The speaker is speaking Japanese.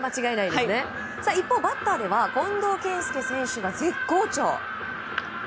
一方、バッターでは近藤健介選手が絶好調。